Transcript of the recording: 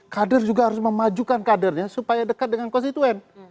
kader juga harus memajukan kadernya supaya dekat dengan konstituen